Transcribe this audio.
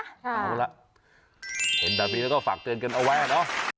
เอาล่ะเห็นแบบนี้แล้วก็ฝากเตือนกันเอาไว้เนอะ